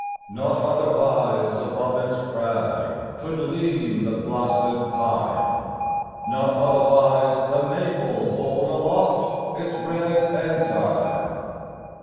Not otherwise above its crag Could lean the blasted pine; Not otherwise the maple hold Aloft its red ensign.